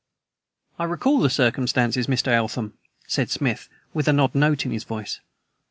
"I recall the circumstances, Mr. Eltham," said Smith, with an odd note in his voice.